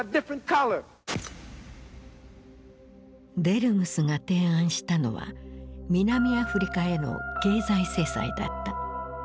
デルムスが提案したのは南アフリカへの経済制裁だった。